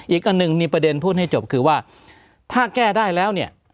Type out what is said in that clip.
อีกอันหนึ่งมีประเด็นพูดให้จบคือว่าถ้าแก้ได้แล้วเนี่ย